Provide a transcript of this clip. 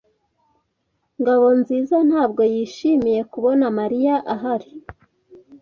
Ngabonziza ntabwo yishimiye kubona Mariya ahari.